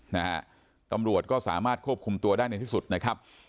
นะฮะตำรวจก็สามารถควบคุมตัวได้ในที่สุดนะครับ